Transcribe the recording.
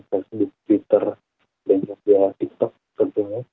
facebook twitter dan juga tiktok tentunya